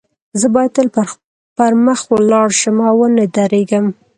زه باید تل پر مخ ولاړ شم او و نه درېږم